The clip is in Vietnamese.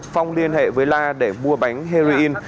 phong liên hệ với la để mua bánh heroin